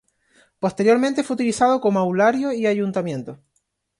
Posteriormente fue utilizado como aulario y Ayuntamiento.